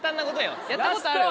やったことある？